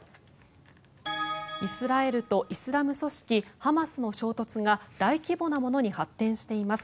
イスラエルとイスラム組織ハマスの衝突が大規模なものに発展しています。